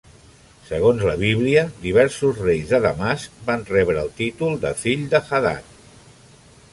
Segons la Bíblia, diversos reis de Damasc van rebre el títol de 'fill de Hadad'.